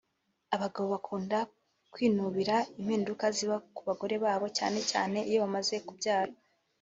abagabo bakunda kwinubira impinduka ziba ku bagore babo cyane cyane iyo bamaze kubyara